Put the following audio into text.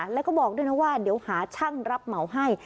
แล้วก็บอกด้วยนะว่าเดี๋ยวหาช่างรับเหมาให้